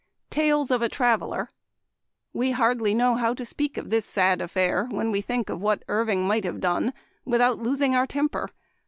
" Tales of a Traveler. — We hardly know how to speak of this sad affair, when we think of what Irving might have done, without losing our temper.